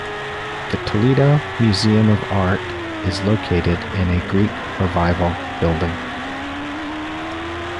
The Toledo Museum of Art is located in a Greek Revival building.